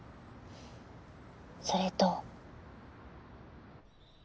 それと。